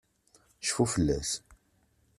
Cfu fell-as!